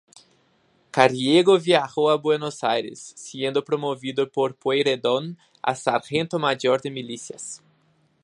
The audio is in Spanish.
Carriego viajó a Buenos Aires, siendo promovido por Pueyrredón a "sargento mayor de milicias".